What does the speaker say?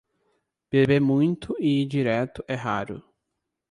Beber muito e ir direto é raro.